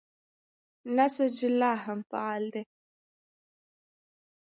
نسج لا هم فعال دی.